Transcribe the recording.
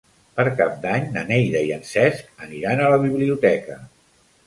Per Cap d'Any na Neida i en Cesc aniran a la biblioteca.